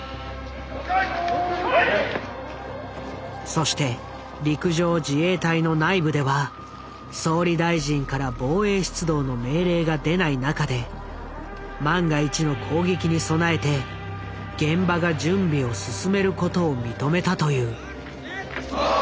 そして陸上自衛隊の内部では総理大臣から防衛出動の命令が出ない中で万が一の攻撃に備えて現場が準備を進めることを認めたという。